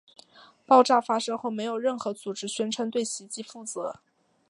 爆炸发生后没有任何组织宣称对袭击负责。